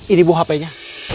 ini bu hpnya